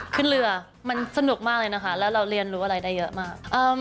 ขึ้นเรือมันสนุกมากเลยนะคะแล้วเราเรียนรู้อะไรได้เยอะมาก